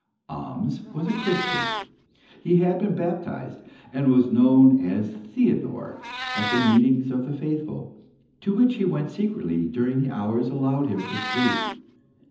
Ahmes was a Christian. He had been baptised, and was known as Theodore at the meetings of the faithful, to which he went secretly during the hours allowed him for sleep.